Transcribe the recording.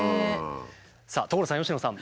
さあ所さん佳乃さん。